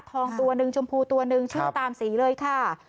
ตัวหนึ่งชมพูตัวหนึ่งชื่อตามสีเลยค่ะ